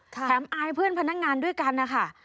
แถมอายเพื่อนพนักงานด้วยกันนะคะ